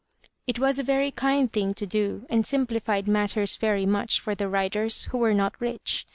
It was a very kind thing to do, and simplified matters very much for the Riders, who were not rich.